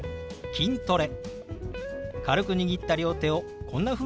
「筋トレ」。